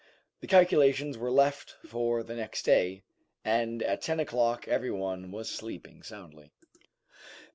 The calculations were left for the next day, and at ten o'clock every one was sleeping soundly.